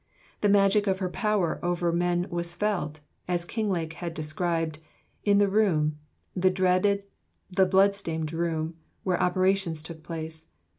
"The magic of her power over men was felt," as Kinglake has described, "in the room the dreaded, the blood stained room where operations took place.